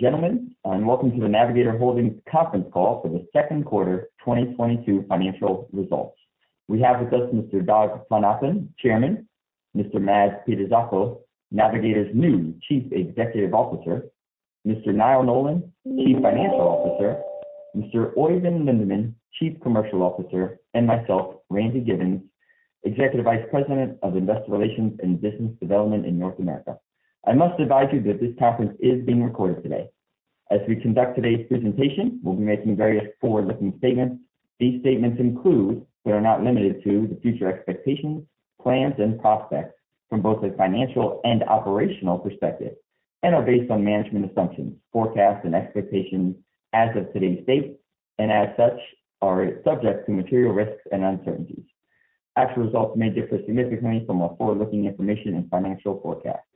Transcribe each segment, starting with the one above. Gentlemen, welcome to the Navigator Holdings conference call for the second quarter 2022 financial results. We have with us Mr. Dag von Appen, Chairman, Mr. Mads Peter Zacho, Navigator's new Chief Executive Officer, Mr. Niall Nolan, Chief Financial Officer, Mr. Oeyvind Lindeman, Chief Commercial Officer, and myself, Randy Giveans, Executive Vice President of Investor Relations and Business Development in North America. I must advise you that this conference is being recorded today. As we conduct today's presentation, we'll be making various forward-looking statements. These statements include, but are not limited to, the future expectations, plans and prospects from both a financial and operational perspective, and are based on management assumptions, forecasts and expectations as of today's date. As such, are subject to material risks and uncertainties. Actual results may differ significantly from our forward-looking information and financial forecasts.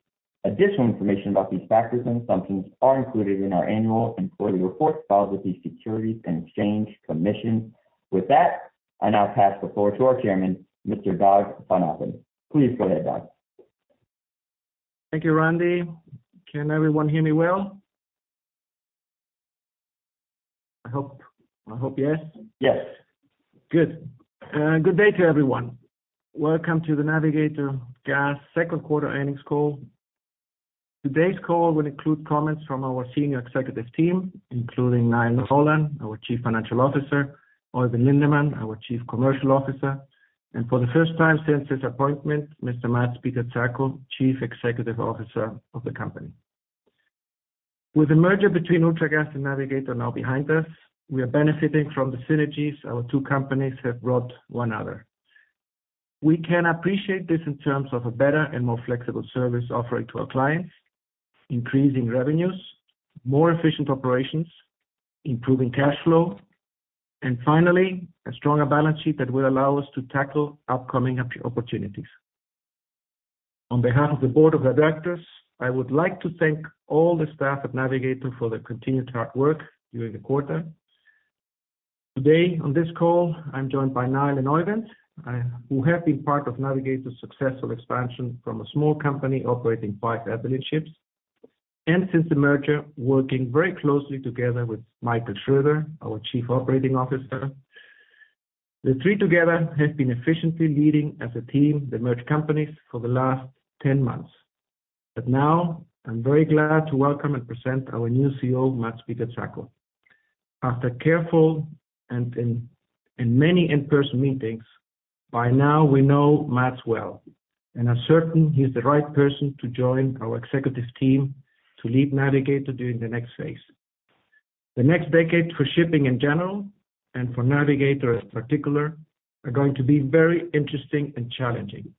Additional information about these factors and assumptions are included in our annual and quarterly reports filed with the Securities and Exchange Commission. With that, I now pass the floor to our chairman, Mr. Dag von Appen. Please go ahead, Dag. Thank you, Randy. Can everyone hear me well? I hope yes. Yes. Good day to everyone. Welcome to the Navigator Gas second quarter earnings call. Today's call will include comments from our senior executive team, including Niall Nolan, our Chief Financial Officer, Oeyvind Lindeman, our Chief Commercial Officer, and for the first time since his appointment, Mr. Mads Peter Zacho, Chief Executive Officer of the company. With the merger between Ultragas and Navigator now behind us, we are benefiting from the synergies our two companies have brought one another. We can appreciate this in terms of a better and more flexible service offering to our clients, increasing revenues, more efficient operations, improving cash flow, and finally, a stronger balance sheet that will allow us to tackle upcoming opportunities. On behalf of the board of directors, I would like to thank all the staff at Navigator for their continued hard work during the quarter. Today on this call, I'm joined by Niall and Oeyvind, who have been part of Navigator's successful expansion from a small company operating five ethylene ships. Since the merger, working very closely together with Michael Schroder, our Chief Operating Officer. The three together have been efficiently leading as a team the merged companies for the last 10 months. Now I'm very glad to welcome and present our new CEO, Mads Peter Zacho. After careful and many in-person meetings, by now we know Mads well and are certain he's the right person to join our executive team to lead Navigator during the next phase. The next decade for shipping in general, and for Navigator in particular, are going to be very interesting and challenging.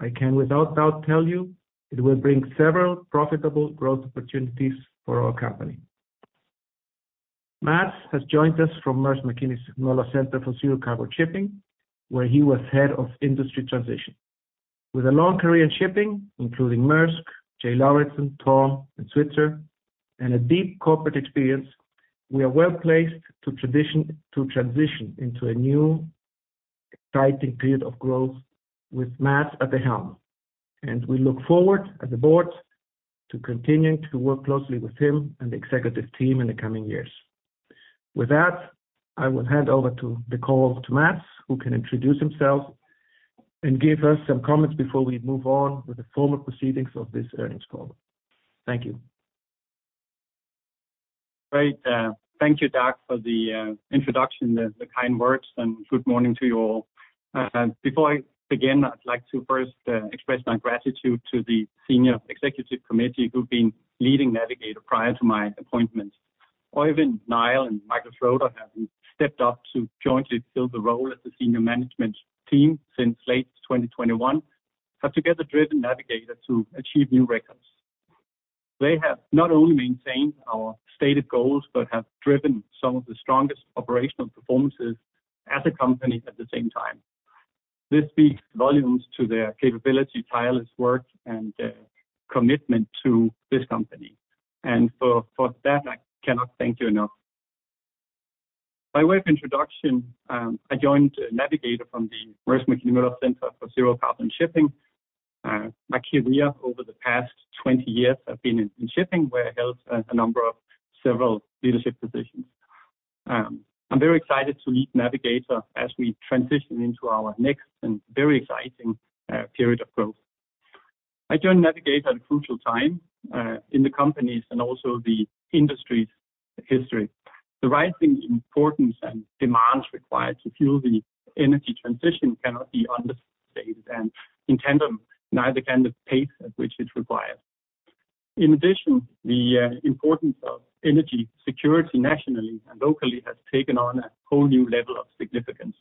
I can without doubt tell you it will bring several profitable growth opportunities for our company. Mads has joined us from Mærsk Mc-Kinney Møller Center for Zero Carbon Shipping, where he was head of industry transition. With a long career in shipping, including Maersk, J. Lauritzen, TORM and Svitzer, and a deep corporate experience, we are well-placed to transition into a new exciting period of growth with Mads at the helm. We look forward as a board to continuing to work closely with him and the executive team in the coming years. With that, I will hand over to the call to Mads, who can introduce himself and give us some comments before we move on with the formal proceedings of this earnings call. Thank you. Great. Thank you, Dag, for the introduction, the kind words, and good morning to you all. Before I begin, I'd like to first express my gratitude to the senior executive committee who've been leading Navigator prior to my appointment. Oeyvind, Niall and Michael Schroder have stepped up to jointly fill the role as the senior management team since late 2021, have together driven Navigator to achieve new records. They have not only maintained our stated goals, but have driven some of the strongest operational performances as a company at the same time. This speaks volumes to their capability, tireless work, and commitment to this company. For that, I cannot thank you enough. By way of introduction, I joined Navigator from the Mærsk Mc-Kinney Møller Center for Zero Carbon Shipping. My career over the past 20 years have been in shipping, where I held a number of several leadership positions. I'm very excited to lead Navigator as we transition into our next and very exciting period of growth. I joined Navigator at a crucial time in the company's and also the industry's history. The rising importance and demands required to fuel the energy transition cannot be understated, and in tandem, neither can the pace at which it's required. In addition, the importance of energy security nationally and locally has taken on a whole new level of significance.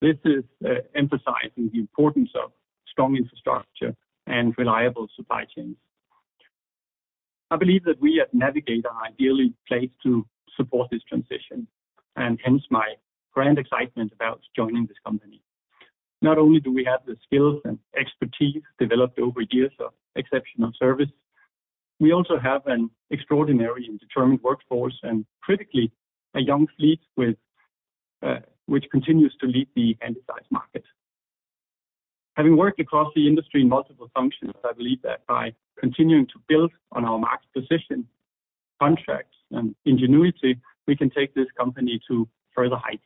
This is emphasizing the importance of strong infrastructure and reliable supply chains. I believe that we at Navigator are ideally placed to support this transition, and hence my grand excitement about joining this company. Not only do we have the skills and expertise developed over years of exceptional service, we also have an extraordinary and determined workforce and critically, a young fleet with which continues to lead the handysize market. Having worked across the industry in multiple functions, I believe that by continuing to build on our market position, contracts, and ingenuity, we can take this company to further heights.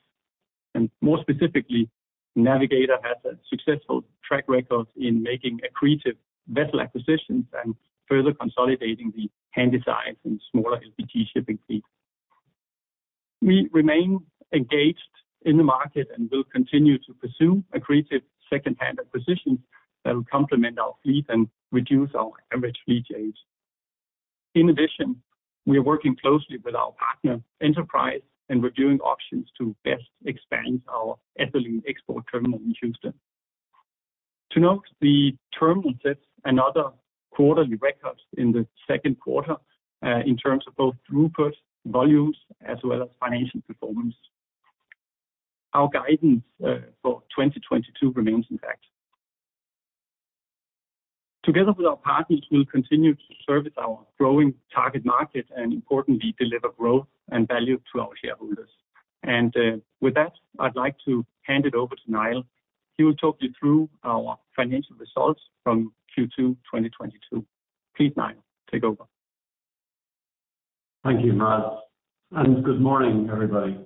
More specifically, Navigator has a successful track record in making accretive vessel acquisitions and further consolidating the handysize and smaller LPG shipping fleet. We remain engaged in the market and will continue to pursue accretive second-hand acquisitions that will complement our fleet and reduce our average fleet age. In addition, we are working closely with our partner, Enterprise, and reviewing options to best expand our ethylene export terminal in Houston. To note, the terminal sets another quarterly record in the second quarter in terms of both throughput volumes as well as financial performance. Our guidance for 2022 remains intact. Together with our partners, we'll continue to service our growing target market and importantly, deliver growth and value to our shareholders. With that, I'd like to hand it over to Niall. He will talk you through our financial results from Q2 2022. Please, Niall, take over. Thank you, Mads, and good morning, everybody.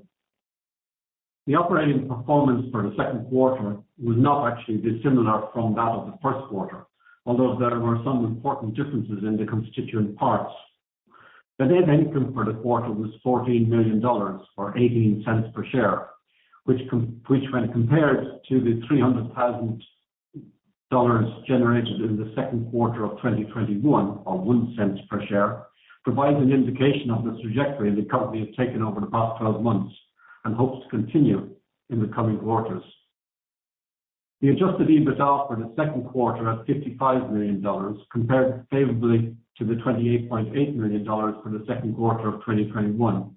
The operating performance for the second quarter was not actually dissimilar from that of the first quarter, although there were some important differences in the constituent parts. The net income for the quarter was $14 million or 0.18 Per share, which when compared to the $300,000 generated in the second quarter of 2021 or 0.1 Per share, provides an indication of the trajectory the company has taken over the past 12 months and hopes to continue in the coming quarters. The Adjusted EBITDA for the second quarter of $55 million compared favorably to the $28.8 million for the second quarter of 2021,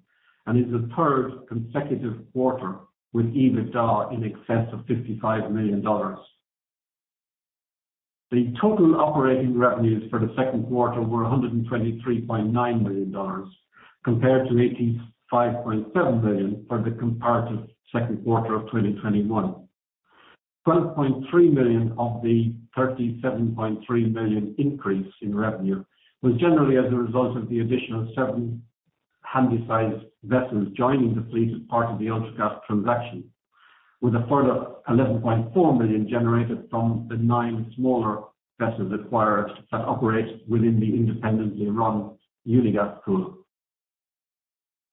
and is the third consecutive quarter with EBITDA in excess of $55 million. The total operating revenues for the second quarter were $123.9 million, compared to $85.7 million for the comparative second quarter of 2021. $12.3 million of the $37.3 million increase in revenue was generally as a result of the additional seven handysize vessels joining the fleet as part of the Ultragas transaction, with a further $11.4 million generated from the nine smaller vessels acquired that operate within the independently run Unigas pool.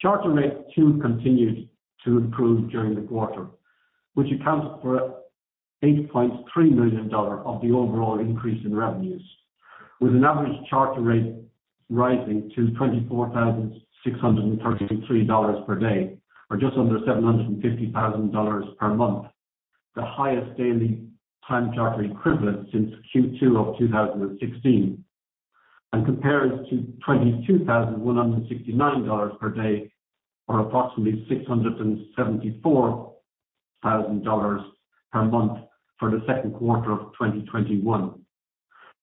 Charter rates too continued to improve during the quarter, which accounts for $8.3 million of the overall increase in revenues, with an average charter rate rising to $24,633 per day or just under $750,000 per month, the highest daily time charter equivalent since Q2 of 2016. Compares to $22,169 per day or approximately $674,000 per month for the second quarter of 2021.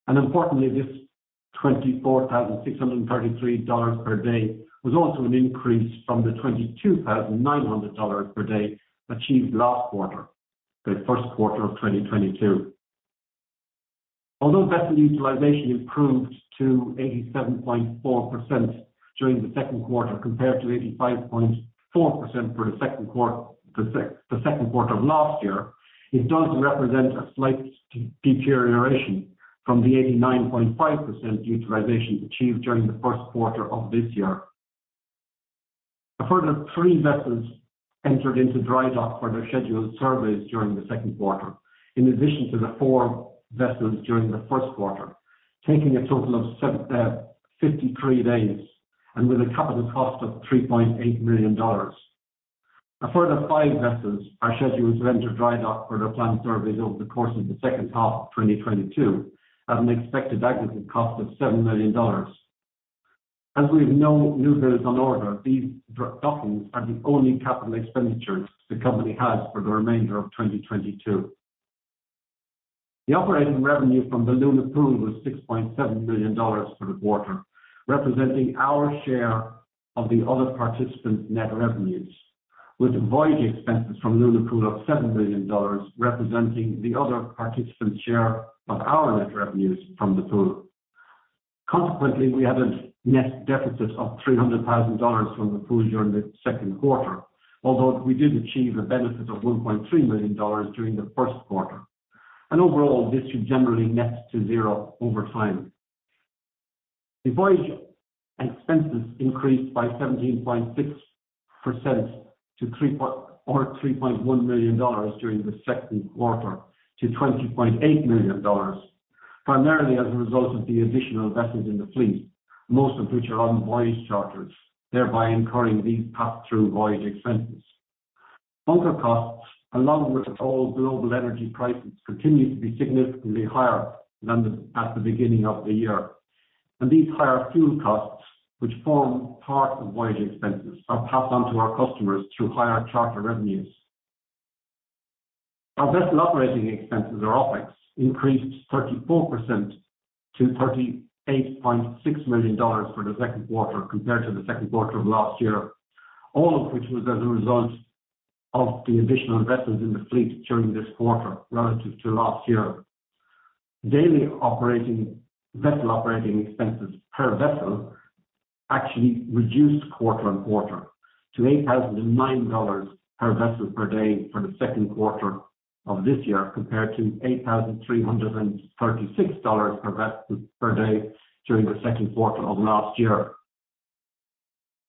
Importantly, this $24,633 per day was also an increase from the $22,900 per day achieved last quarter, the first quarter of 2022. Although vessel utilization improved to 87.4% during the second quarter, compared to 85.4% for the second quarter of last year, it does represent a slight deterioration from the 89.5% utilization achieved during the first quarter of this year. A further three vessels entered into dry dock for their scheduled surveys during the second quarter, in addition to the four vessels during the first quarter, taking a total of 7, 53 days and with a capital cost of $3.8 million. A further four vessels are scheduled to enter dry dock for their planned surveys over the course of the second half of 2022 at an expected aggregate cost of $7 million. We have no new builds on order, these dockings are the only capital expenditures the company has for the remainder of 2022. The operating revenue from the Luna Pool was $6.7 million for the quarter, representing our share of the other participants' net revenues, with voyage expenses from Luna Pool of $7 million, representing the other participants' share of our net revenues from the pool. Consequently, we had a net deficit of $300,000 from the pool during the second quarter, although we did achieve a benefit of $1.3 million during the first quarter. Overall, this should generally net to zero over time. The voyage expenses increased by 17.6% to $3.1 million during the second quarter to $20.8 million, primarily as a result of the additional vessels in the fleet, most of which are on voyage charters, thereby incurring these pass-through voyage expenses. Bunker costs, along with overall global energy prices, continue to be significantly higher than at the beginning of the year. These higher fuel costs, which form part of voyage expenses, are passed on to our customers through higher charter revenues. Our vessel operating expenses or OpEx increased 34% to $38.6 million for the second quarter compared to the second quarter of last year. All of which was as a result of the additional vessels in the fleet during this quarter relative to last year. Daily vessel operating expenses per vessel actually reduced quarter-on-quarter to $8,009 per vessel per day for the second quarter of this year, compared to $8,336 per vessel per day during the second quarter of last year.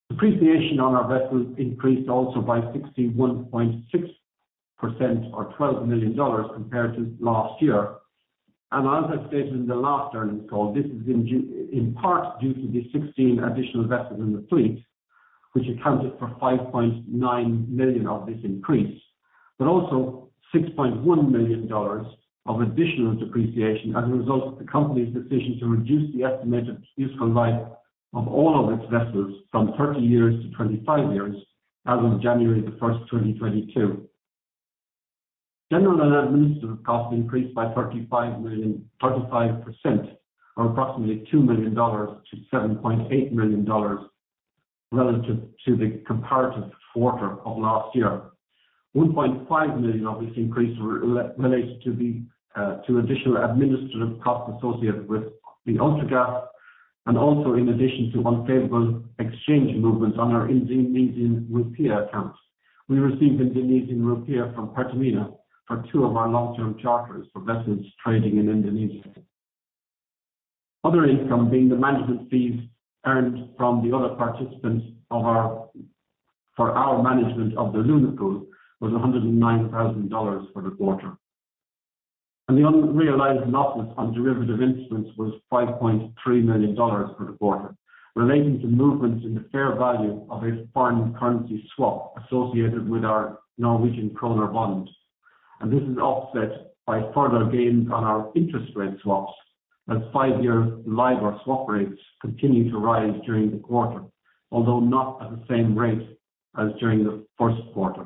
Depreciation on our vessels increased also by 61.6% or $12 million compared to last year. As I stated in the last earnings call, this is in part due to the 16 additional vessels in the fleet, which accounted for $5.9 million of this increase, but also $6.1 million of additional depreciation as a result of the company's decision to reduce the estimated useful life of all of its vessels from 30 years to 25 years as of January 1st, 2022. General and administrative costs increased by 35% or approximately $2 million to $7.8 million relative to the comparative quarter of last year. $1.5 million of this increase relates to the additional administrative costs associated with the Ultragas and also in addition to unfavorable exchange movements on our Indonesian rupiah accounts. We received Indonesian rupiah from Pertamina for two of our long-term charters for vessels trading in Indonesia. Other income being the management fees earned from the other participants of our management of the Luna Pool was $109,000 for the quarter. The unrealized losses on derivative instruments was $5.3 million for the quarter, relating to movements in the fair value of a foreign currency swap associated with our Norwegian kroner bonds. This is offset by further gains on our interest rate swaps as five-year LIBOR swap rates continued to rise during the quarter, although not at the same rate as during the first quarter.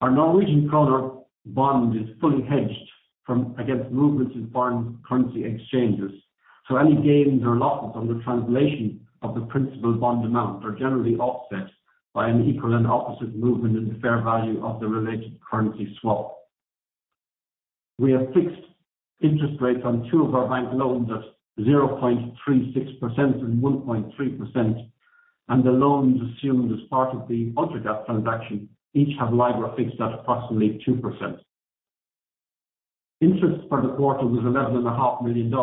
Our Norwegian kroner bond is fully hedged against movements in foreign currency exchanges. Any gains or losses on the translation of the principal bond amount are generally offset by an equal and opposite movement in the fair value of the related currency swap. We have fixed interest rates on two of our bank loans at 0.36% and 1.3%, and the loans assumed as part of the Ultragas transaction each have LIBOR fixed at approximately 2%. Interest for the quarter was $11.5 million,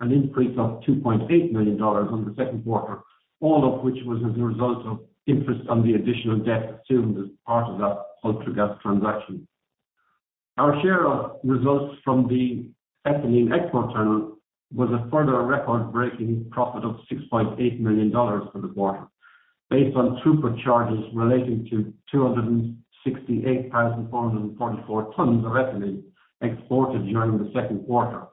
an increase of $2.8 million on the second quarter, all of which was as a result of interest on the additional debt assumed as part of that Ultragas transaction. Our share of results from the ethylene export terminal was a further record-breaking profit of $6.8 million for the quarter, based on throughput charges relating to 268,444 tons of ethylene exported during the second quarter.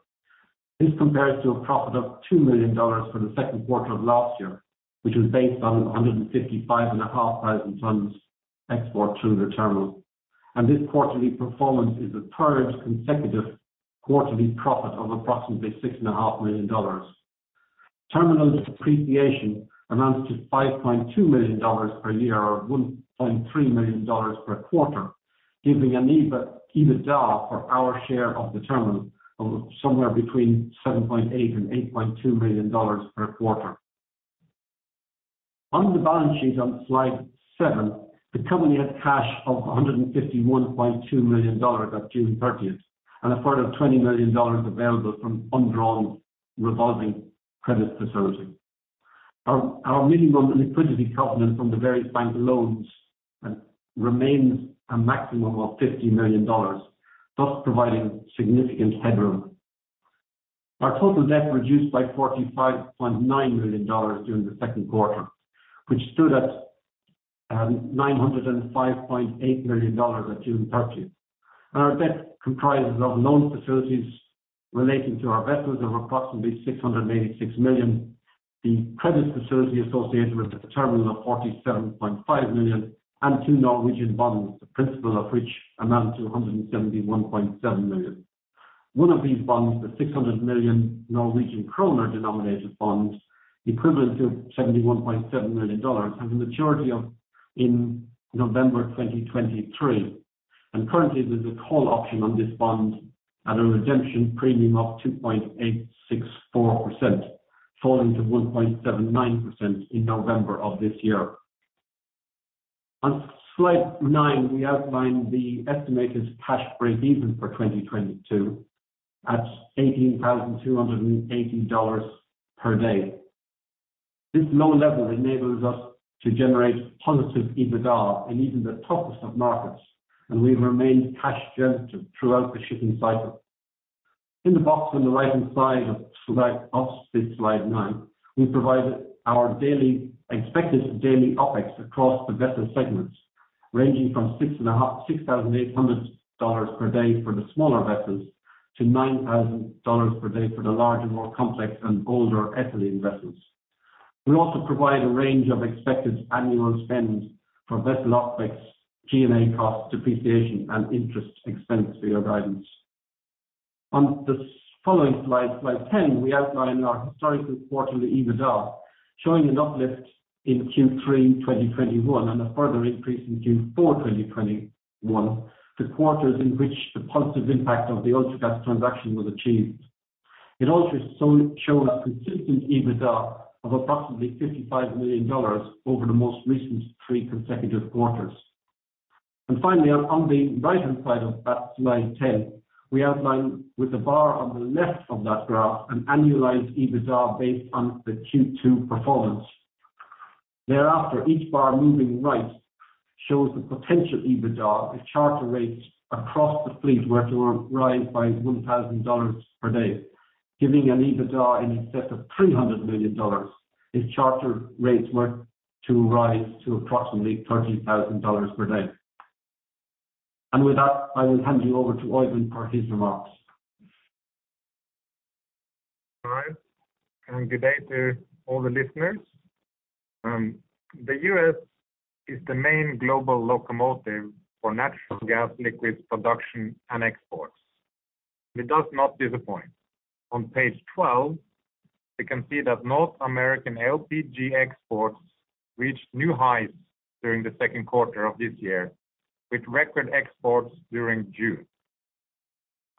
This compares to a profit of $2 million for the second quarter of last year, which was based on 155,500 tons exported through the terminal. This quarterly performance is the third consecutive quarterly profit of approximately $6.5 million. Terminal depreciation amounts to $5.2 million per year or $1.3 million per quarter, giving an EBITDA for our share of the terminal of somewhere between $7.8 million and $8.2 million per quarter. On the balance sheet on slide 7, the company had cash of $151.2 million at June 30th, and a further $20 million available from undrawn revolving credit facility. Our minimum liquidity covenant from the various bank loans remains a maximum of $50 million, thus providing significant headroom. Our total debt reduced by $45.9 million during the second quarter, which stood at $905.8 million at June 30th. Our debt comprises of loan facilities relating to our vessels of approximately $686 million, the credit facility associated with the terminal of $47.5 million, and two Norwegian bonds, the principal of which amount to $171.7 million. One of these bonds, the 600 million Norwegian kroner denominated bond, equivalent to $71.7 million, has a maturity in November 2023. Currently, there's a call option on this bond at a redemption premium of 2.864%, falling to 1.79% in November of this year. On slide 9, we outlined the estimated cash break-even for 2022 at $18,280 per day. This low level enables us to generate positive EBITDA in even the toughest of markets, and we've remained cash generative throughout the shipping cycle. In the box on the right-hand side of slide. Of this slide 9, we provide our expected daily OpEx across the vessel segments, ranging from $6,800 per day for the smaller vessels to $9,000 per day for the larger, more complex and older ethylene vessels. We also provide a range of expected annual spend for vessel OpEx, G&A costs, depreciation, and interest expense for your guidance. On this following slide 10, we outline our historical quarterly EBITDA showing an uplift in Q3 2021 and a further increase in Q4 2021, the quarters in which the positive impact of the Ultragas transaction was achieved. It also shows a consistent EBITDA of approximately $55 million over the most recent three consecutive quarters. Finally, on the right-hand side of that slide 10, we outline with the bar on the left of that graph, an annualized EBITDA based on the Q2 performance. Thereafter, each bar moving right shows the potential EBITDA if charter rates across the fleet were to rise by $1,000 per day, giving an EBITDA in excess of $300 million if charter rates were to rise to approximately $30,000 per day. With that, I will hand you over to Oeyvind for his remarks. All right. Good day to all the listeners. The U.S. is the main global locomotive for natural gas liquids production and exports. It does not disappoint. On page 12, we can see that North American LPG exports reached new highs during the second quarter of this year, with record exports during June.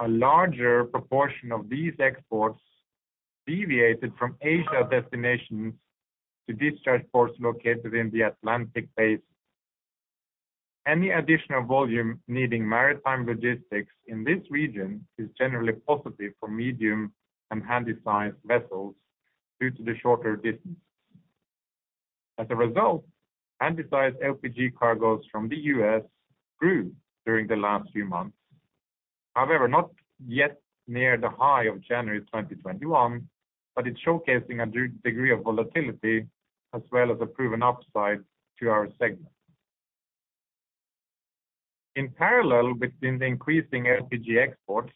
A larger proportion of these exports deviated from Asia destinations to discharge ports located in the Atlantic Basin. Any additional volume needing maritime logistics in this region is generally positive for medium and handysize vessels due to the shorter distances. As a result, handysize LPG cargoes from the U.S. grew during the last few months. However, not yet near the high of January 2021, but it's showcasing a degree of volatility as well as a proven upside to our segment. In parallel with the increasing LPG exports,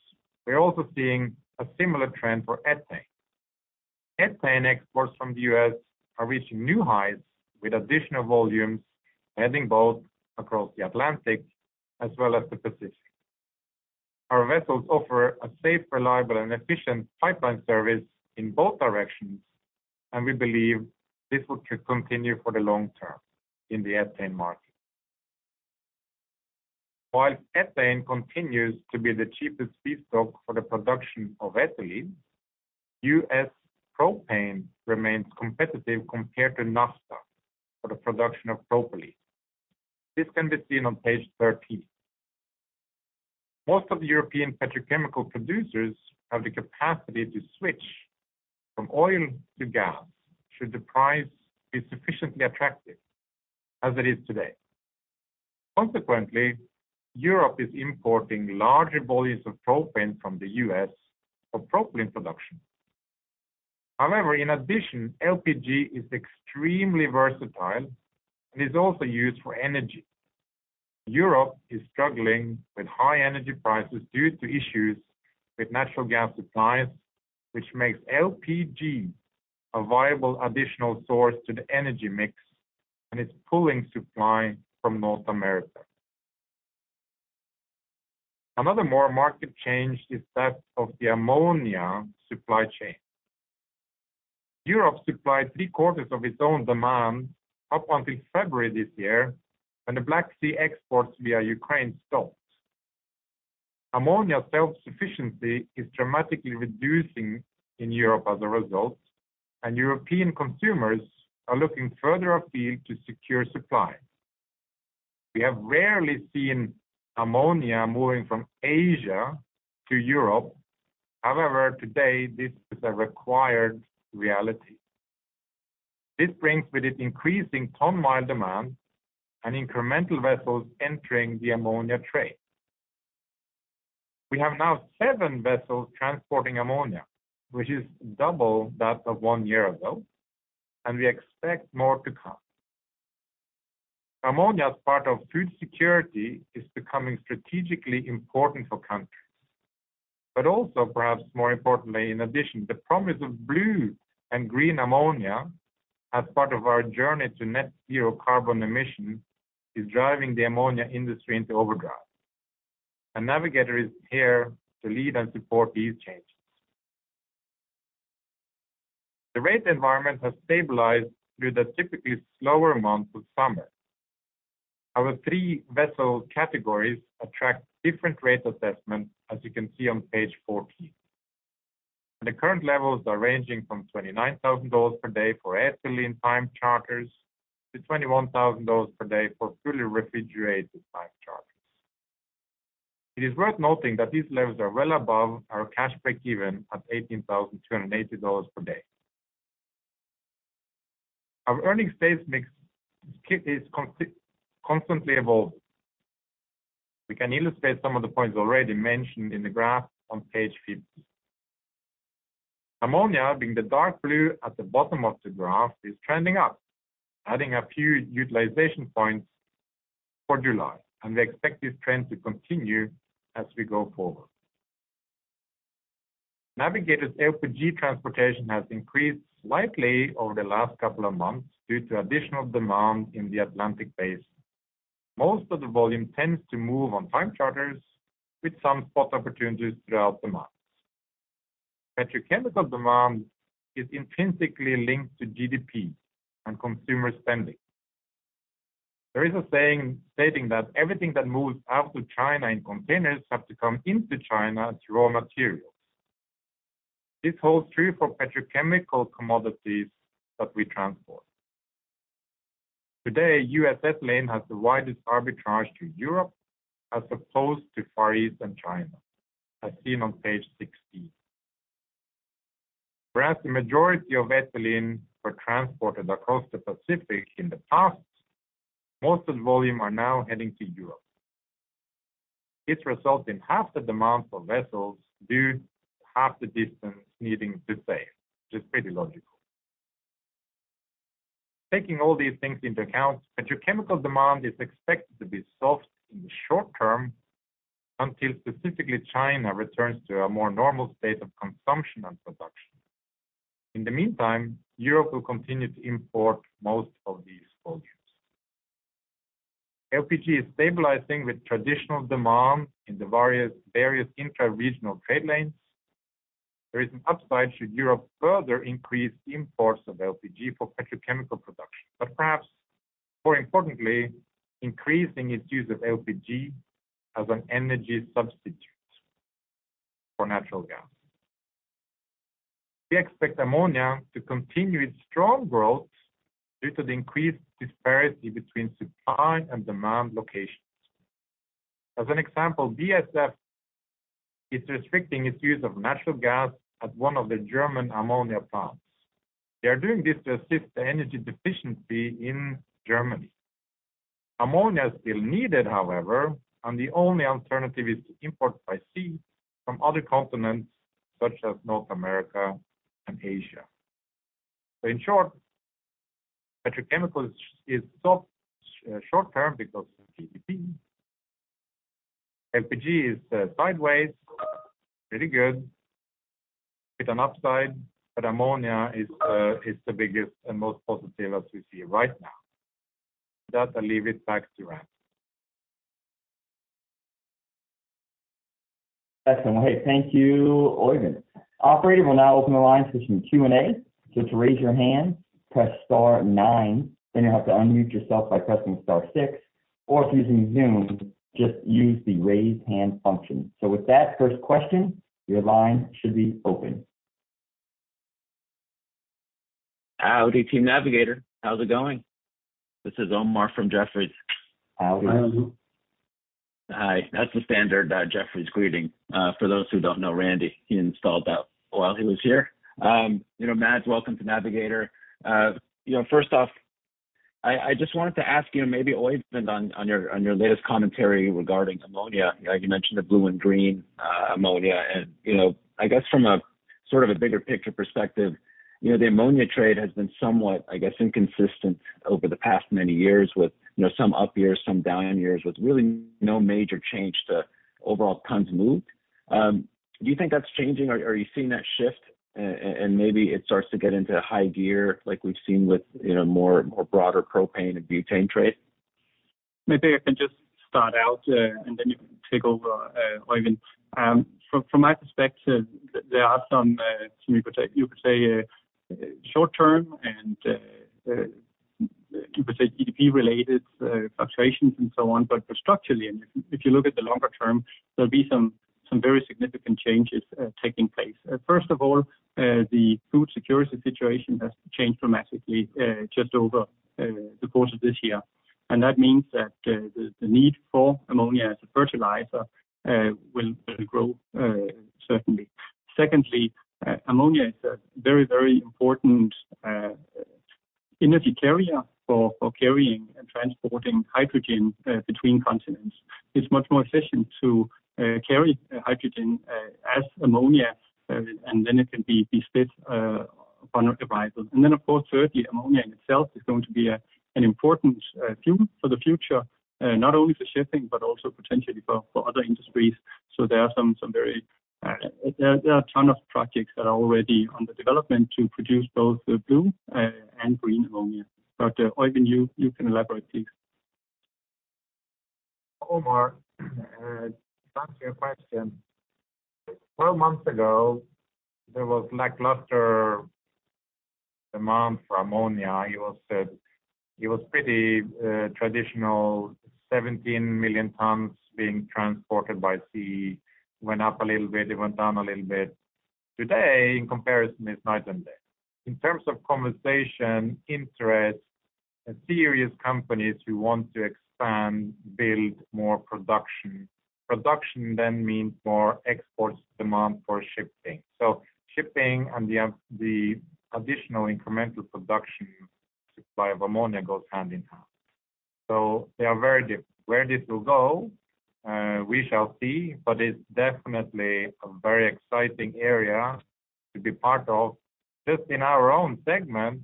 we're also seeing a similar trend for ethane. Ethane exports from the U.S. are reaching new highs with additional volumes heading both across the Atlantic as well as the Pacific. Our vessels offer a safe, reliable, and efficient pipeline service in both directions, and we believe this will continue for the long term in the ethane market. While ethane continues to be the cheapest feedstock for the production of ethylene, U.S. propane remains competitive compared to naphtha for the production of propylene. This can be seen on page 13. Most of the European petrochemical producers have the capacity to switch from oil to gas should the price be sufficiently attractive as it is today. Consequently, Europe is importing larger volumes of propane from the U.S. for propylene production. However, in addition, LPG is extremely versatile and is also used for energy. Europe is struggling with high energy prices due to issues with natural gas supplies, which makes LPG a viable additional source to the energy mix, and it's pulling supply from North America. Another major market change is that of the ammonia supply chain. Europe supplied three-quarters of its own demand up until February this year, when the Black Sea exports via Ukraine stopped. Ammonia self-sufficiency is dramatically reducing in Europe as a result, and European consumers are looking further afield to secure supply. We have rarely seen ammonia moving from Asia to Europe. However, today this is a required reality. This brings with it increasing ton-mile demand and incremental vessels entering the ammonia trade. We have now seven vessels transporting ammonia, which is double that of one year ago, and we expect more to come. Ammonia, as part of food security, is becoming strategically important for countries, but also perhaps more importantly, in addition, the promise of blue and green ammonia as part of our journey to net zero carbon emissions is driving the ammonia industry into overdrive. Navigator is here to lead and support these changes. The rate environment has stabilized through the typically slower months of summer. Our three vessel categories attract different rate assessments, as you can see on page 14. The current levels are ranging from $29,000 per day for ethylene time charters to $21,000 per day for fully refrigerated time charters. It is worth noting that these levels are well above our cash break-even at $18,280 per day. Our earnings base mix is constantly evolving. We can illustrate some of the points already mentioned in the graph on page 15. Ammonia, being the dark blue at the bottom of the graph, is trending up, adding a few utilization points for July, and we expect this trend to continue as we go forward. Navigator's LPG transportation has increased slightly over the last couple of months due to additional demand in the Atlantic basin. Most of the volume tends to move on time charters with some spot opportunities throughout the month. Petrochemical demand is intrinsically linked to GDP and consumer spending. There is a saying stating that everything that moves out to China in containers have to come into China through raw materials. This holds true for petrochemical commodities that we transport. Today, U.S. ethylene has the widest arbitrage to Europe as opposed to Far East and China, as seen on page 16. Whereas the majority of ethylene were transported across the Pacific in the past, most of the volume are now heading to Europe. This results in half the demand for vessels due to half the distance needing to sail, which is pretty logical. Taking all these things into account, petrochemical demand is expected to be soft in the short term until specifically China returns to a more normal state of consumption and production. In the meantime, Europe will continue to import most of these volumes. LPG is stabilizing with traditional demand in the various intra-regional trade lanes. There is an upside should Europe further increase imports of LPG for petrochemical production, but perhaps more importantly, increasing its use of LPG as an energy substitute for natural gas. We expect ammonia to continue its strong growth due to the increased disparity between supply and demand locations. As an example, BASF is restricting its use of natural gas at one of the German ammonia plants. They are doing this to assist the energy deficiency in Germany. Ammonia is still needed, however, and the only alternative is to import by sea from other continents, such as North America and Asia. In short, petrochemical is soft short term because of GDP. LPG is sideways, pretty good with an upside, but ammonia is the biggest and most positive as we see right now. With that, I leave it back to Randy. Excellent. Hey, thank you, Oeyvind. Operator will now open the line for some Q&A. To raise your hand, press star nine, then you'll have to unmute yourself by pressing star six, or if using Zoom, just use the raise hand function. With that first question, your line should be open. Howdy, Team Navigator. How's it going? This is Omar from Jefferies. How are you? Hi. That's the standard Jefferies greeting for those who don't know Randy. He installed that while he was here. You know, Mads, welcome to Navigator. You know, first off, I just wanted to ask you and maybe Oeyvind on your latest commentary regarding ammonia. You mentioned the blue and green ammonia and, you know, I guess from a sort of a bigger picture perspective, you know, the ammonia trade has been somewhat, I guess, inconsistent over the past many years with, you know, some up years, some down years, with really no major change to overall tons moved. Do you think that's changing? Are you seeing that shift and maybe it starts to get into high gear like we've seen with, you know, more broader propane and butane trade? Maybe I can just start out, and then you can take over, Oeyvind. From my perspective, there are some you could say short-term and GDP-related fluctuations and so on. Structurally, if you look at the longer term, there'll be some very significant changes taking place. First of all, the food security situation has changed dramatically just over the course of this year. That means that the need for ammonia as a fertilizer will grow certainly. Secondly, ammonia is a very important energy carrier for carrying and transporting hydrogen between continents. It's much more efficient to carry hydrogen as ammonia, and then it can be split upon arrival. Of course, thirdly, ammonia in itself is going to be an important fuel for the future, not only for shipping, but also potentially for other industries. There are a ton of projects that are already under development to produce both blue and green ammonia. Oeyvind, you can elaborate, please. Omar, to answer your question, 12 months ago, there was lackluster demand for ammonia. It was pretty traditional 17 million tons being transported by sea. Went up a little bit, it went down a little bit. Today, in comparison, it's night and day. In terms of conversation, interest, and serious companies who want to expand, build more production. Production then means more exports, demand for shipping. Shipping and the additional incremental production supply of ammonia goes hand in hand. They are where this will go, we shall see, but it's definitely a very exciting area to be part of. Just in our own segment,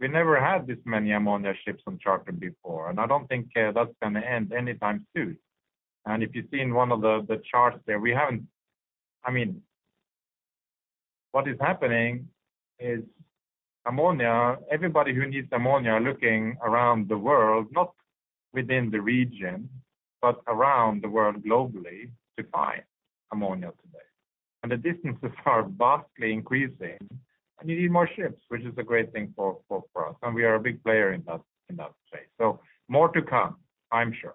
we never had this many ammonia ships on charter before, and I don't think that's going to end anytime soon. If you've seen one of the charts there, what is happening is ammonia. Everybody who needs ammonia are looking around the world, not within the region, but around the world globally to find ammonia today. The distances are vastly increasing, and you need more ships, which is a great thing for us. We are a big player in that space. More to come, I'm sure.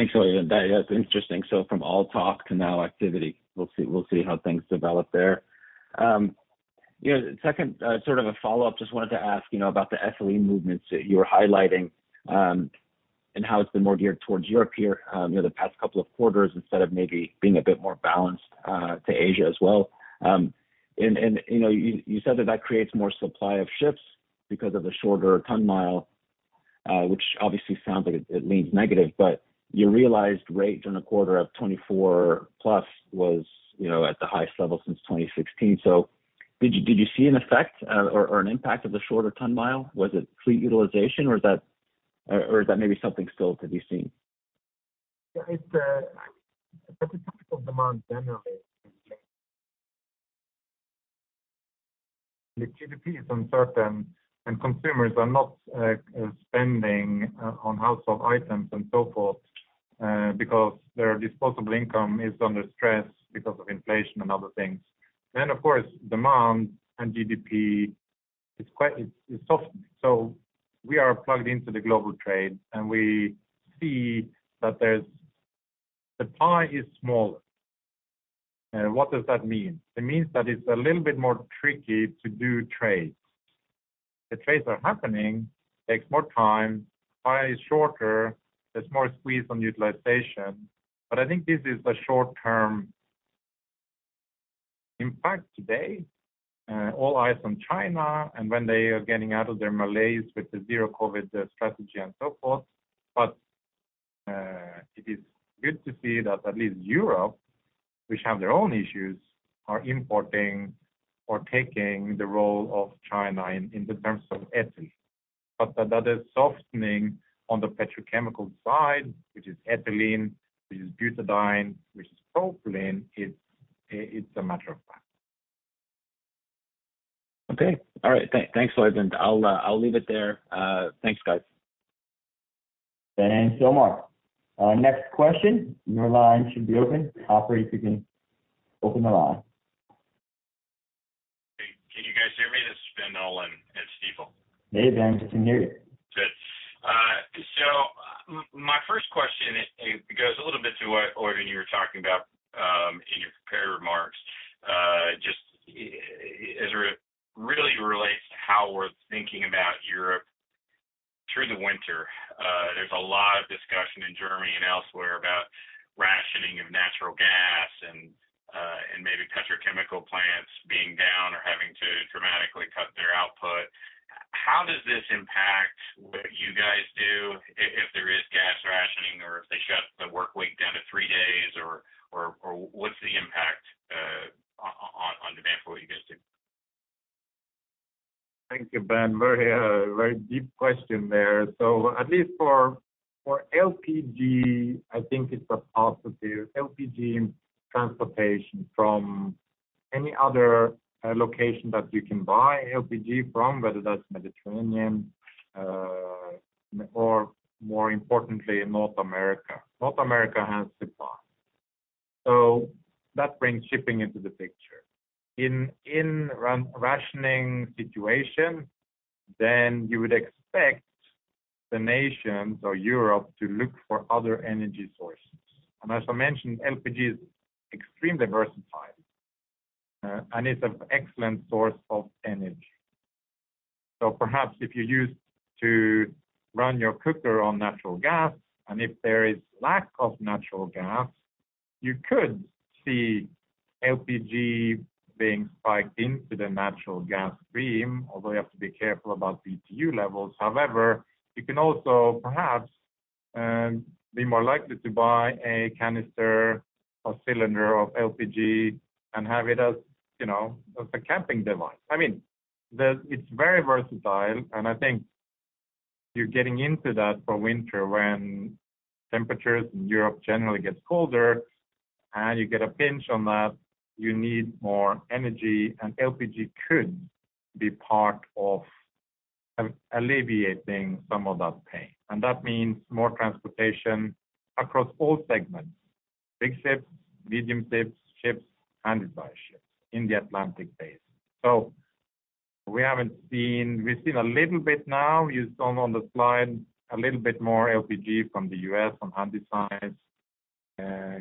Thanks, Oeyvind. That is interesting. From all talk to actual activity. We'll see how things develop there. You know, second, sort of a follow-up, just wanted to ask, you know about the ethylene movements that you were highlighting, and how it's been more geared towards Europe here, you know, the past couple of quarters instead of maybe being a bit more balanced, to Asia as well. And, you know, you said that that creates more supply of ships because of the shorter ton-mile, which obviously sounds like it leans negative, but your realized rate during the quarter of $24+ was, you know, at the highest level since 2016. Did you see an effect, or an impact of the shorter ton-mile? Was it fleet utilization or is that maybe something still to be seen? Yeah, it's petrochemical demand generally. The GDP is uncertain, and consumers are not spending on household items and so forth because their disposable income is under stress because of inflation and other things. Of course, demand and GDP is quite soft. We are plugged into the global trade, and we see that the pie is smaller. What does that mean? It means that it's a little bit more tricky to do trades. The trades are happening, takes more time, pie is shorter, there's more squeeze on utilization. I think this is the short term impact today, all eyes on China and when they are getting out of their malaise with the zero COVID strategy and so forth. It is good to see that at least Europe, which have their own issues, are importing or taking the role of China in the terms of ethylene. That is softening on the petrochemical side, which is ethylene, which is butadiene, which is propylene. It's a matter of fact. Okay. All right. Thanks, Oeyvind. I'll leave it there. Thanks, guys. Thanks, Omar. Next question. Your line should be open. Operator, you can open the line. Can you guys hear me? This is Ben Nolan at Stifel. Hey, Ben. We can hear you. Good. My first question, it goes a little bit to what, Oeyvind, you were talking about, in your prepared remarks, just as it really relates to how we're thinking about Europe through the winter. There's a lot of discussion in Germany and elsewhere about rationing of natural gas and maybe petrochemical plants being down or having to dramatically cut their output. How does this impact what you guys do if there is gas rationing or if they shut the work week down to three days or what's the impact on demand for what you guys do? Thank you, Ben. Very deep question there. At least for LPG, I think it's a positive. LPG transportation from any other location that you can buy LPG from, whether that's Mediterranean or more importantly, North America. North America has supply. That brings shipping into the picture. In rationing situation, you would expect the nations or Europe to look for other energy sources. As I mentioned, LPG is extremely versatile and it's an excellent source of energy. Perhaps if you used to run your cooker on natural gas and if there is lack of natural gas, you could see LPG being spiked into the natural gas stream, although you have to be careful about BTU levels. However, you can also perhaps be more likely to buy a canister or cylinder of LPG and have it as, you know, as a camping device. I mean, it's very versatile, and I think you're getting into that for winter when temperatures in Europe generally gets colder and you get a pinch on that, you need more energy, and LPG could be part of alleviating some of that pain. That means more transportation across all segments, big ships, medium ships, handysize ships in the Atlantic Basin. We haven't seen. We've seen a little bit now, you saw on the slide a little bit more LPG from the U.S. on handysize.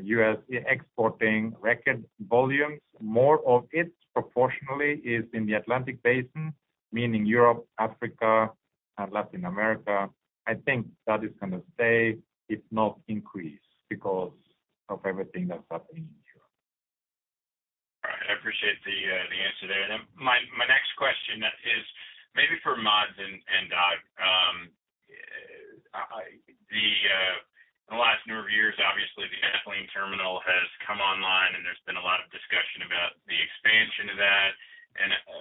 U.S. exporting record volumes. More of it proportionally is in the Atlantic Basin, meaning Europe, Africa, and Latin America. I think that is gonna stay, if not increase because of everything that's happening in Europe. All right. I appreciate the answer there. My next question is maybe for Mads and Dag. The last number of years, obviously the ethylene terminal has come online, and there's been a lot of discussion about the expansion to that.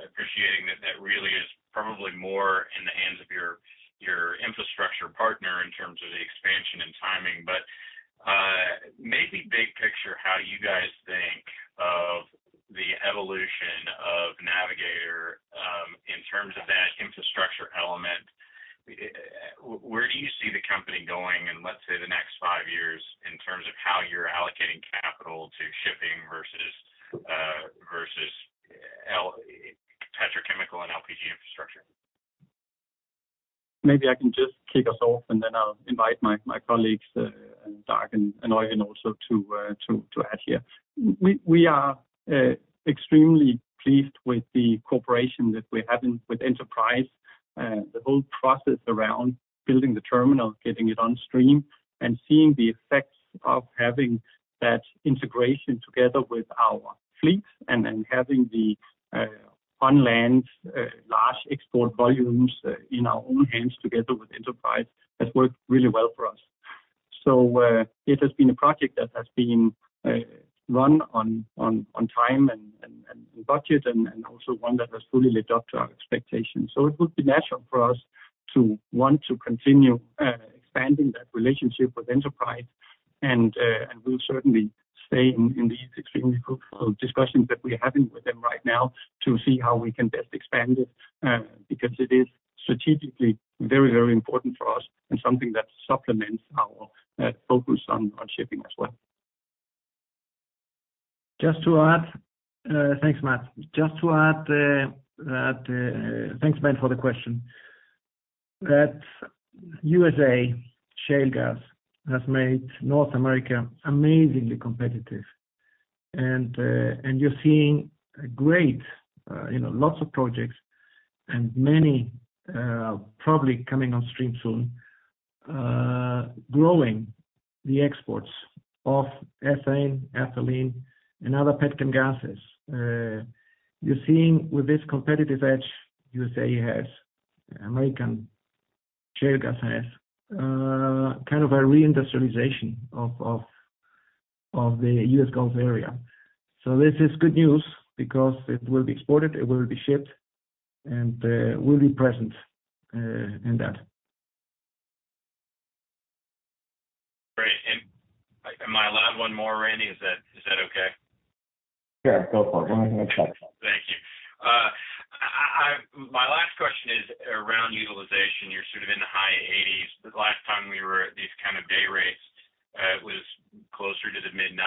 Appreciating that really is probably more in the hands of your infrastructure partner in terms of the expansion and timing. Maybe big picture, how you guys think of the evolution of Navigator in terms of that infrastructure element. Where do you see the company going in, let's say, the next five years in terms of how you're allocating capital to shipping versus petrochemical and LPG infrastructure? Maybe I can just kick us off, and then I'll invite my colleagues, Dag and Oeyvind also to add here. We are extremely pleased with the cooperation that we're having with Enterprise. The whole process around building the terminal, getting it on stream, and seeing the effects of having that integration together with our fleet and then having the on land large export volumes in our own hands together with Enterprise has worked really well for us. It has been a project that has been run on time and budget and also one that has fully lived up to our expectations. It would be natural for us to want to continue expanding that relationship with Enterprise. We'll certainly stay in these extremely fruitful discussions that we're having with them right now to see how we can best expand it, because it is strategically very, very important for us and something that supplements our focus on shipping as well. Just to add, thanks, Mads Peter Zacho. Thanks, Ben Nolan, for the question. U.S. shale gas has made North America amazingly competitive. You're seeing a great, you know, lots of projects and many probably coming on stream soon, growing the exports of ethane, ethylene and other petrochemical gases. You're seeing with this competitive edge U.S. has, American shale gas has, kind of a reindustrialization of the U.S. Gulf area. This is good news because it will be exported, it will be shipped, and we'll be present in that. Great. Am I allowed one more, Randy? Is that okay? Sure, go for it. Thank you. My last question is around utilization. You're sort of in the high 80s%. The last time we were at these kind of day rates was closer to the mid-90s%.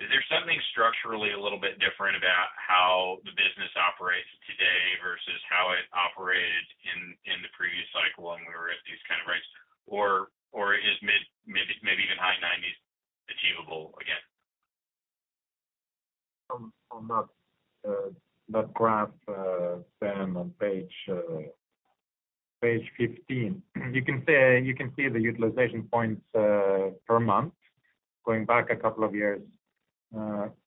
Is there something structurally a little bit different about how the business operates today versus how it operated in the previous cycle when we were at these kind of rates? Or is mid- maybe even high 90s% achievable again? On that graph, Ben, on page 15, you can see the utilization points per month going back a couple of years. There's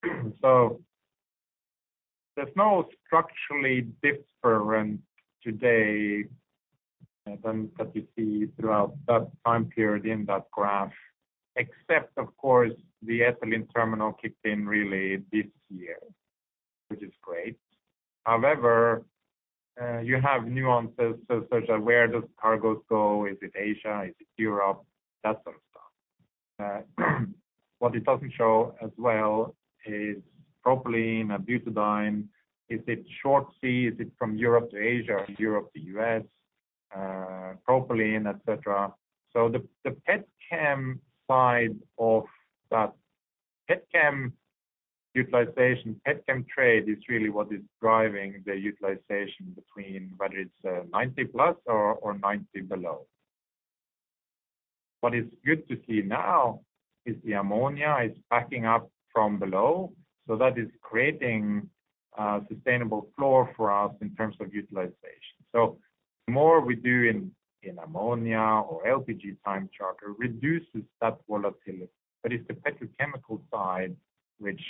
no structurally different today than that you see throughout that time period in that graph, except of course the ethylene terminal kicked in really this year, which is great. However, you have nuances such as where does cargoes go? Is it Asia? Is it Europe? That sort of stuff. What it doesn't show as well is propylene and butadiene. Is it short sea? Is it from Europe to Asia or Europe to U.S., propylene, et cetera. The pet chem side of that pet chem utilization, pet chem trade is really what is driving the utilization between whether it's 90%+ or 90% below. What is good to see now is the ammonia is backing up from below, so that is creating a sustainable floor for us in terms of utilization. The more we do in ammonia or LPG time charter reduces that volatility. It's the petrochemical side which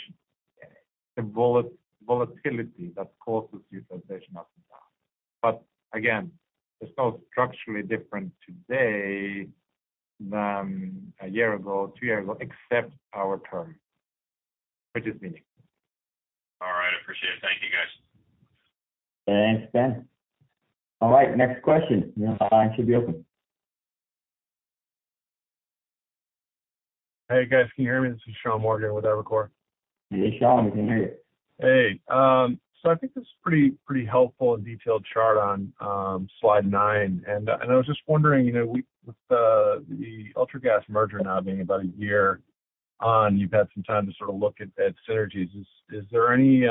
the volatility that causes utilization up and down. Again, it's not structurally different today than a year ago, two years ago, except our term, which is meaningful. All right, appreciate it. Thank you, guys. Thanks, Ben. All right, next question. The line should be open. Hey, guys, can you hear me? This is Sean Morgan with Evercore. Hey, Sean, we can hear you. Hey. So I think this is pretty helpful and detailed chart on slide nine. I was just wondering, you know, with the Ultragas merger now being about a year on, you've had some time to sort of look at synergies. Is there any,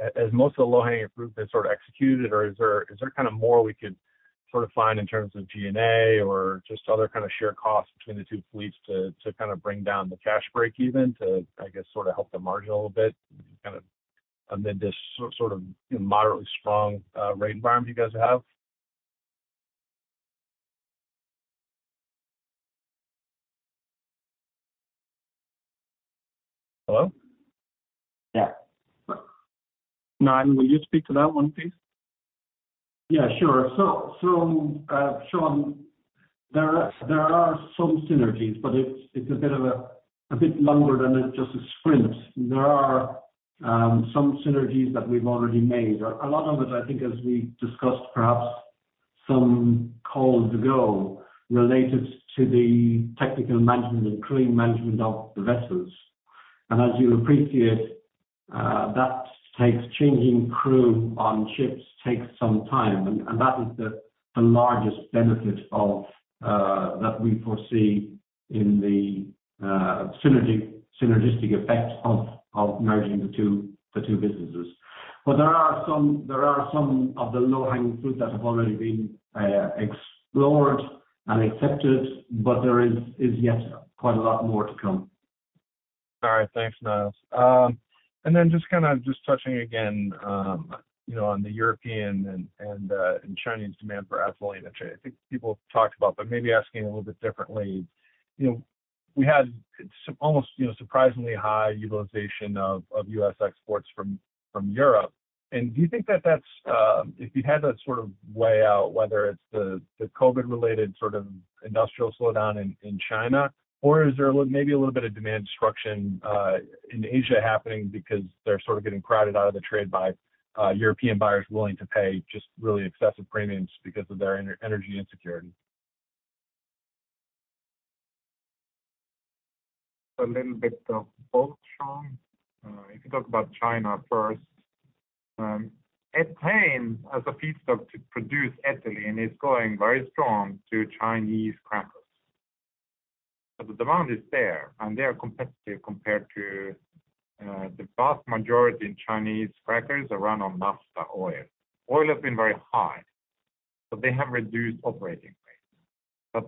as most of the low-hanging fruit has sort of executed or is there kind of more we could sort of find in terms of G&A or just other kind of shared costs between the two fleets to kind of bring down the cash breakeven to, I guess, sort of help the margin a little bit, kind of amid this sort of, you know, moderately strong rate environment you guys have? Hello? Yeah. Niall, will you speak to that one, please? Yeah, sure. So, Sean, there are some synergies, but it's a bit longer than just a sprint. There are some synergies that we've already made. A lot of it, I think, as we discussed, perhaps some calls ago, related to the technical management and crew management of the vessels. As you appreciate, changing crew on ships takes some time, and that is the largest benefit of that we foresee in the synergy, synergistic effect of merging the two businesses. But there are some of the low-hanging fruit that have already been explored and accepted, but there is yet quite a lot more to come. All right. Thanks, Niall. Just kinda touching again, you know, on the European and Chinese demand for ethylene trade. I think people have talked about, but maybe asking a little bit differently. You know, we had almost, you know, surprisingly high utilization of U.S. exports to Europe. Do you think that that's if you had that sort of way out, whether it's the COVID-related sort of industrial slowdown in China, or is there maybe a little bit of demand destruction in Asia happening because they're sort of getting crowded out of the trade by European buyers willing to pay just really excessive premiums because of their energy insecurity? A little bit of both, Sean. If you talk about China first, ethane as a feedstock to produce ethylene is going very strong to Chinese crackers. The demand is there, and they are competitive compared to the vast majority in Chinese crackers run on naphtha oil. Oil has been very high, so they have reduced operating rates.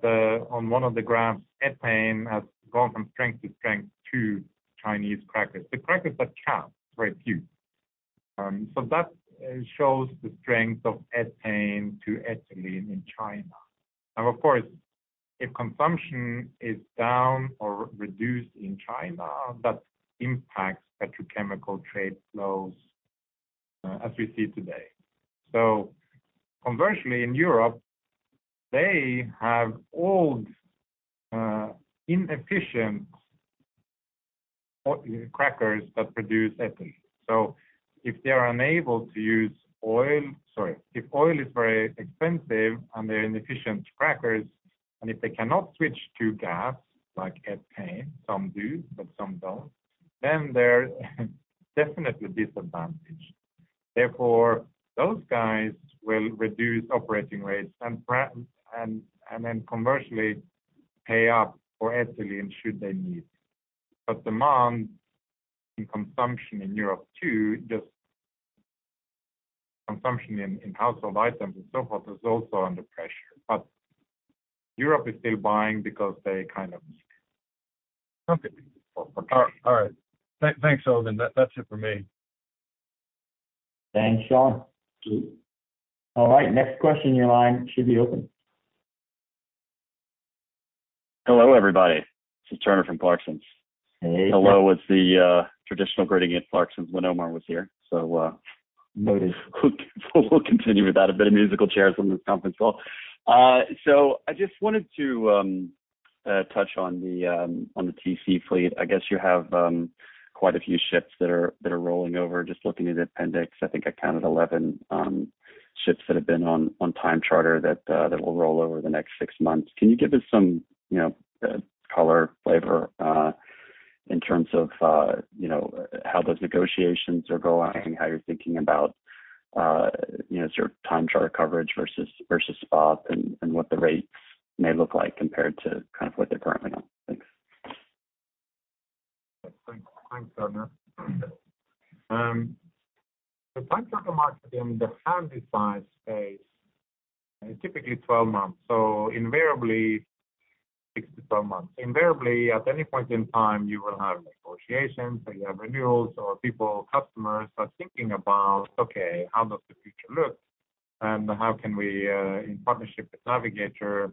On one of the graphs, ethane has gone from strength to strength to Chinese crackers. The crackers are capped, very few. That shows the strength of ethane to ethylene in China. Now, of course, if consumption is down or reduced in China, that impacts petrochemical trade flows, as we see today. Conversely, in Europe, they have old, inefficient oil crackers that produce ethylene. If they are unable to use oil. If oil is very expensive and they're inefficient crackers, and if they cannot switch to gas like ethane, some do, but some don't, then they're definitely disadvantaged. Therefore, those guys will reduce operating rates and then commercially pay up for ethylene should they need. Demand and consumption in Europe too, just consumption in household items and so forth is also under pressure. Europe is still buying because they kind of need. Okay. Alright. Thanks, Oeyvind Lindeman. That's it for me. Thanks, Sean. All right, next question in line should be open. Hello, everybody. This is Turner from Clarksons. Hey. Hello was the traditional greeting at Clarksons when Omar was here. Noted. We'll continue with that. A bit of musical chairs on this conference call. I just wanted to touch on the TC fleet. I guess you have quite a few ships that are rolling over. Just looking at the appendix, I think I counted 11 ships that have been on time charter that will roll over the next six months. Can you give us some you know color flavor in terms of you know how those negotiations are going, how you're thinking about you know sort of time charter coverage versus spot and what the rates may look like compared to kind of what they're currently on? Thanks. Thanks. Thanks, Turner. The time charter market in the handysize space is typically 12 months. Invariably six-12 months. Invariably, at any point in time, you will have negotiations or you have renewals or people, customers are thinking about, okay, how does the future look? How can we, in partnership with Navigator,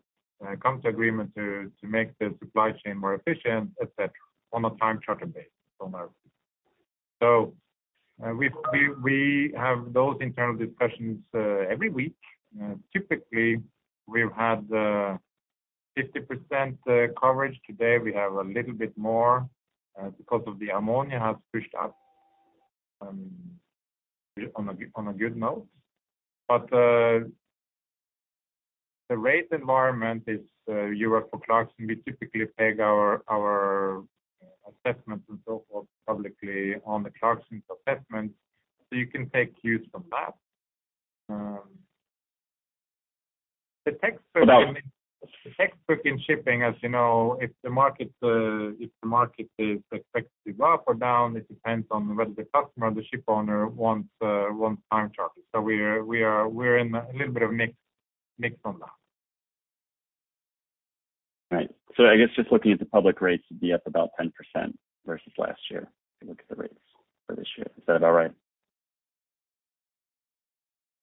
come to agreement to make the supply chain more efficient, et cetera, on a time charter base? We have those internal discussions every week. Typically, we've had 50% coverage. Today, we have a little bit more because of the ammonia has pushed up on a good note. The rate environment is, you work for Clarksons, we typically peg our assessments and so forth publicly on the Clarksons assessments, so you can take cues from that. The textbook in- Got it. The textbook in shipping, as you know, if the market is expected to go up or down, it depends on whether the customer or the ship owner wants time charter. We're in a little bit of mix on that. Right. I guess just looking at the public rates would be up about 10% versus last year, if you look at the rates for this year. Is that about right?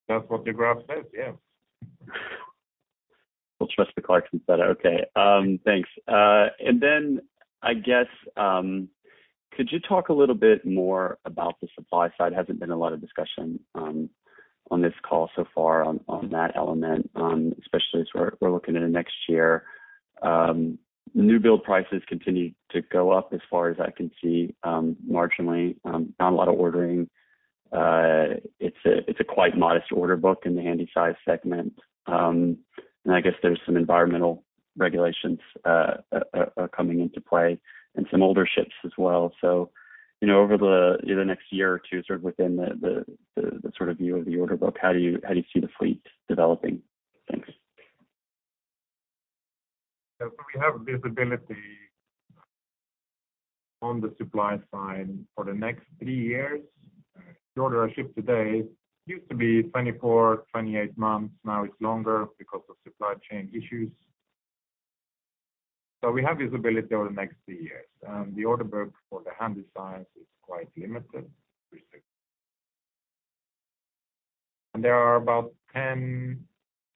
That's what the graph says. Yeah. We'll trust what Clarksons said. Okay, thanks. Then I guess could you talk a little bit more about the supply side? Hasn't been a lot of discussion on this call so far on that element, especially as we're looking into next year. New build prices continue to go up as far as I can see, marginally. Not a lot of ordering. It's quite modest order book in the handysize segment. I guess there's some environmental regulations are coming into play and some older ships as well. You know, over the next year or two, sort of within the sort of view of the order book, how do you see the fleet developing? Thanks. We have visibility on the supply side for the next three years. The order for a ship today used to be 24-28 months. Now it's longer because of supply chain issues. We have visibility over the next three years. The order book for the handysize is quite limited recently. There are about 10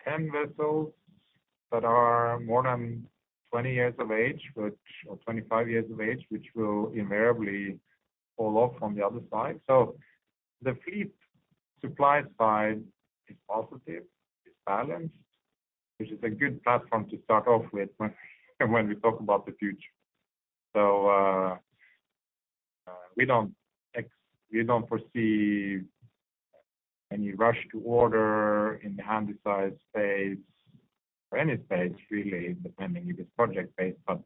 vessels that are more than 25 years of age, which will invariably fall off on the other side. The fleet supply side is positive, is balanced, which is a good platform to start off with when we talk about the future. We don't foresee any rush to order in the handysize phase or any phase really, depending if it's project-based, but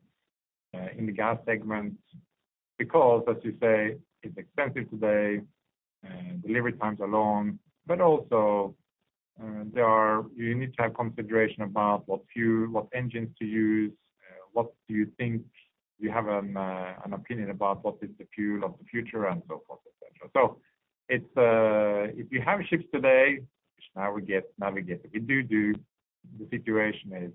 in the gas segment. Because as you say, it's expensive today, delivery times are long. Also, you need to have consideration about what fuel, what engines to use, what do you think you have an opinion about what is the fuel of the future and so forth, et cetera. It's if you have ships today, which now we get, Navigator, the new, the situation is-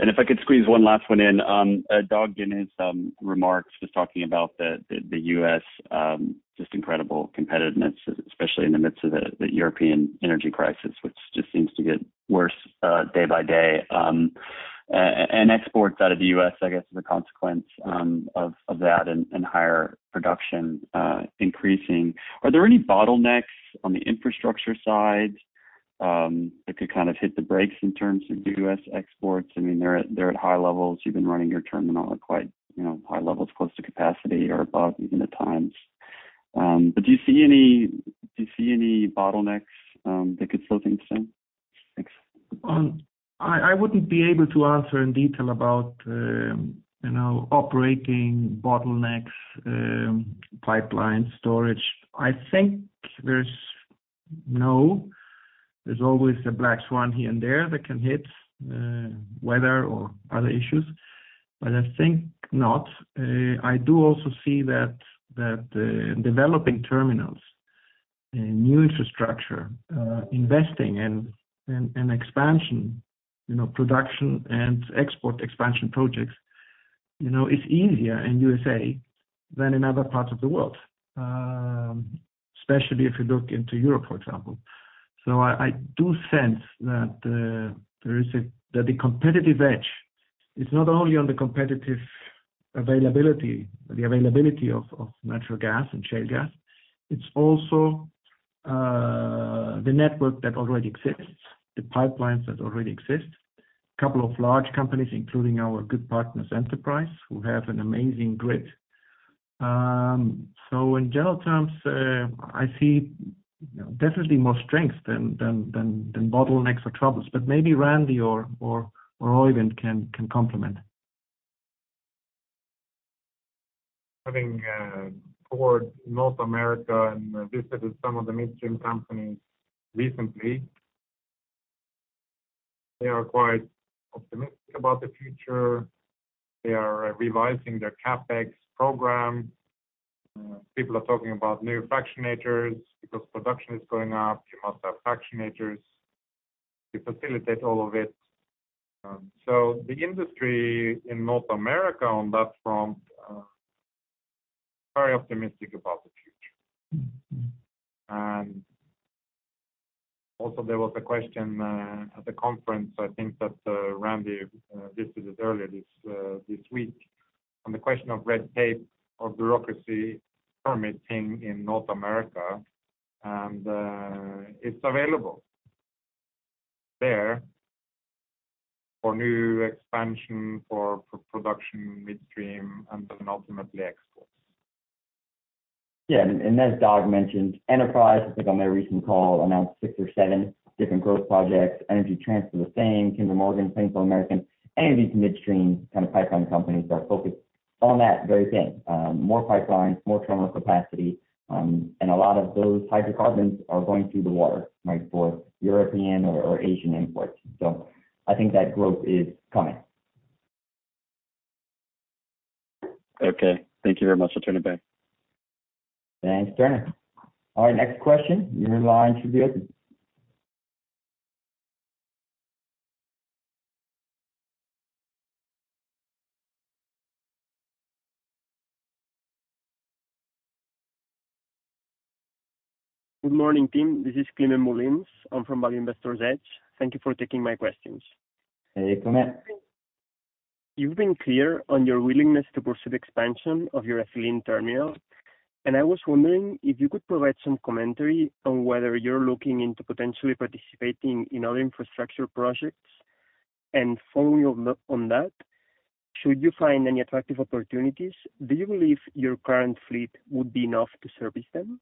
Okay. If I could squeeze one last one in. Dag, in his remarks, just talking about the U.S., just incredible competitiveness, especially in the midst of the European energy crisis, which just seems to get worse day by day. Exports out of the U.S. I guess is a consequence of that and higher production increasing. Are there any bottlenecks on the infrastructure side that could kind of hit the brakes in terms of U.S. exports? I mean, they're at high levels. You've been running your terminal at quite, you know, high levels, close to capacity or above even at times. But do you see any bottlenecks that could slow things down? Thanks. I wouldn't be able to answer in detail about, you know, operating bottlenecks, pipeline storage. I think there's always a black swan here and there that can hit, weather or other issues, but I think not. I do also see that developing terminals and new infrastructure, investing and expansion, you know, production and export expansion projects, you know, is easier in USA than in other parts of the world. Especially if you look into Europe, for example. I do sense that the competitive edge is not only on the competitive availability, the availability of natural gas and shale gas, it's also the network that already exists, the pipelines that already exist. A couple of large companies, including our good partners, Enterprise, who have an amazing grid. In general terms, I see definitely more strength than bottlenecks or troubles. Maybe Randy or Oeyvind can complement. Having toured North America and visited some of the midstream companies recently, they are quite optimistic about the future. They are revising their CapEx program. People are talking about new fractionators. Because production is going up, you must have fractionators to facilitate all of it. The industry in North America on that front, very optimistic about the future. Mm-hmm. Also there was a question at the conference, I think that Randy visited earlier this week on the question of red tape or bureaucracy permitting in North America. It's available there for new expansion for production midstream and then ultimately exports. Yeah. As Dag mentioned, Enterprise, I think on their recent call announced six or seven different growth projects. Energy Transfer, the same. Kinder Morgan, Plains All American. Any of these midstream kind of pipeline companies are focused on that very thing. More pipelines, more terminal capacity. A lot of those hydrocarbons are going through the water, right, for European or Asian imports. I think that growth is coming. Okay. Thank you very much. I'll turn it back. Thanks, Turner. All right, next question. Your line should be open. Good morning, team. This is Climent Molins. I'm from Value Investor's Edge. Thank you for taking my questions. Hey, Climent. You've been clear on your willingness to pursue the expansion of your ethylene terminal, and I was wondering if you could provide some commentary on whether you're looking into potentially participating in other infrastructure projects. Following on that, should you find any attractive opportunities, do you believe your current fleet would be enough to service them?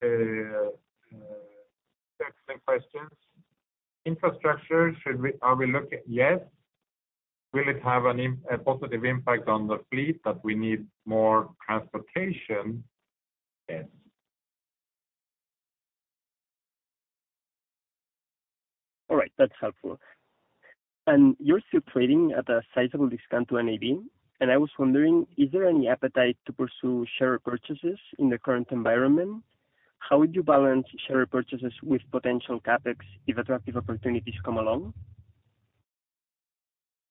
That's the questions. Are we looking? Yes. Will it have a positive impact on the fleet that we need more transportation? Yes. All right. That's helpful. You're still trading at a sizable discount to NAV, and I was wondering, is there any appetite to pursue share purchases in the current environment? How would you balance share purchases with potential CapEx if attractive opportunities come along?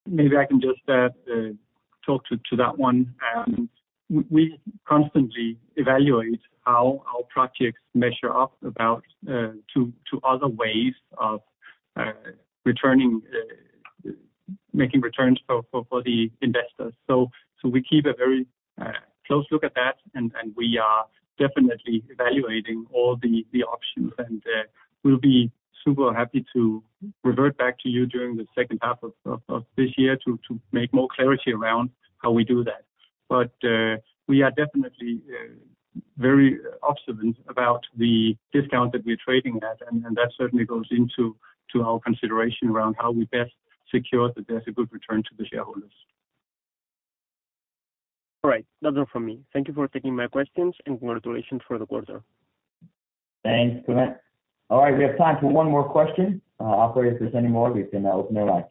Maybe I can just talk to that one. We constantly evaluate how our projects measure up to other ways of making returns for the investors. We keep a very close look at that and we are definitely evaluating all the options. We'll be super happy to revert back to you during the second half of this year to make more clarity around how we do that. We are definitely very observant about the discount that we're trading at, and that certainly goes into our consideration around how we best secure that there's a good return to the shareholders. All right. That's all from me. Thank you for taking my questions, and congratulations for the quarter. Thanks, Climent. All right. We have time for one more question. Operator, if there's any more, we can open the line.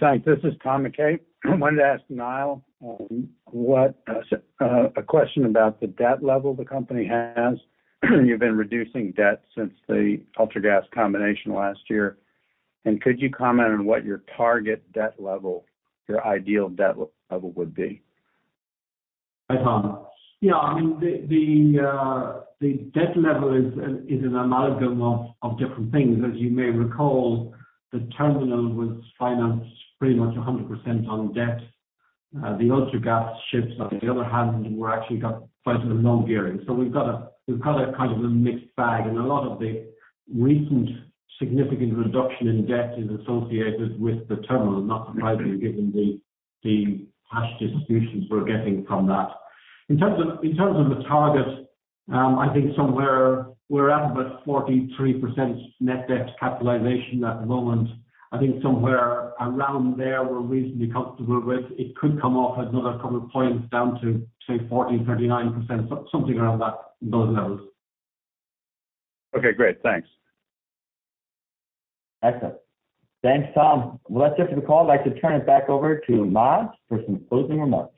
Thanks. This is Tom McKay. I wanted to ask Niall, a question about the debt level the company has. You've been reducing debt since the Ultragas combination last year, and could you comment on what your target debt level, your ideal debt level would be? Hi, Tom. Yeah, I mean, the debt level is an amalgam of different things. As you may recall, the terminal was financed pretty much 100% on debt. The Ultragas ships on the other hand actually got quite a bit of loan gearing. We've got a kind of a mixed bag, and a lot of the recent significant reduction in debt is associated with the terminal, not surprisingly, given the cash distributions we're getting from that. In terms of the target, I think somewhere we're at about 43% net debt capitalization at the moment. I think somewhere around there we're reasonably comfortable with. It could come off another couple of points down to, say, 40%-39%, so something around that, those levels. Okay, great. Thanks. Excellent. Thanks, Tom. Well, that's it for the call. I'd like to turn it back over to Lars for some closing remarks.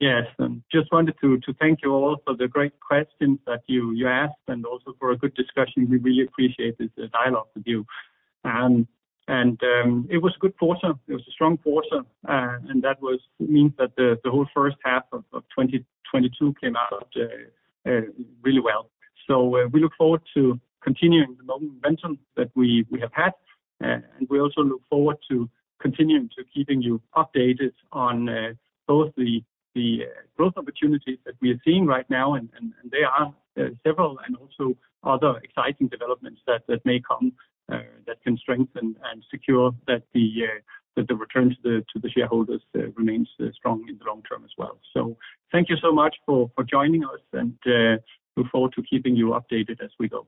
Yes. Just wanted to thank you all for the great questions that you asked and also for a good discussion. We really appreciate this dialogue with you. It was a good quarter, it was a strong quarter, and that means that the whole first half of 2022 came out really well. We look forward to continuing the momentum that we have had, and we also look forward to continuing to keep you updated on both the growth opportunities that we are seeing right now and there are several and also other exciting developments that may come that can strengthen and secure that the return to the shareholders remains strong in the long term as well. Thank you so much for joining us and look forward to keeping you updated as we go.